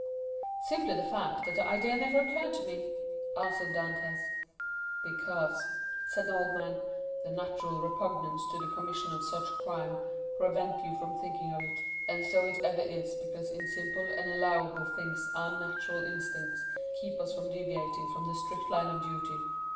"Simply the fact that the idea never occurred to me," answered Dantès. "Because," said the old man, "the natural repugnance to the commission of such a crime prevented you from thinking of it; and so it ever is because in simple and allowable things our natural instincts keep us from deviating from the strict line of duty.